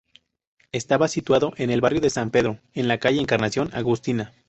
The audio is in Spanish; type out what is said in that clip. Estaba situado en el barrio de San Pedro, en la calle Encarnación Agustina.